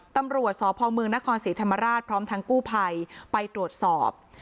ตำรวจสพเมืองนครศรีธรรมราชพร้อมทางกู้ภัยไปตรวจสอบ